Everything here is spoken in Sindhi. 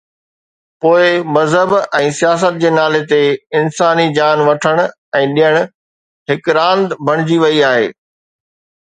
پوءِ مذهب ۽ سياست جي نالي تي انساني جان وٺڻ ۽ ڏيڻ هڪ راند بڻجي وئي آهي.